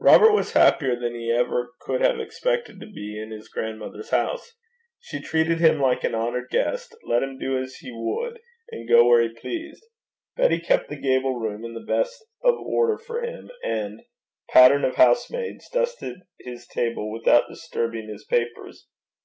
Robert was happier than he ever could have expected to be in his grandmother's house. She treated him like an honoured guest, let him do as he would, and go where he pleased. Betty kept the gable room in the best of order for him, and, pattern of housemaids, dusted his table without disturbing his papers.